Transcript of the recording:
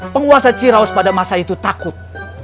penguasa ciraus pada masa itu takut